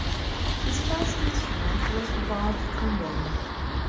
His first instrument was valve trombone.